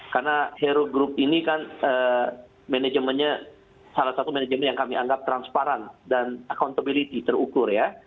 karena hero group ini kan manajemennya salah satu manajemen yang kami anggap transparan dan accountability terukur ya